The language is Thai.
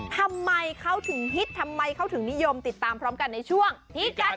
ทำไมเขาถึงฮิตทำไมเขาถึงนิยมติดตามพร้อมกันในช่วงพิกัด